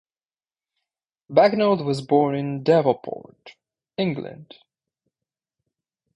Bagnold was born in Devonport, England.